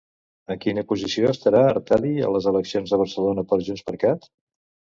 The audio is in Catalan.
En quina posició estarà Artadi a les eleccions de Barcelona per a JxCat?